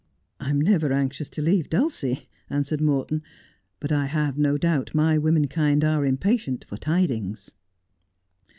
' I am never anxious to leave Dulcie,' answered Morton, ' but I have no doubt my womenkind are impatient for tidings.'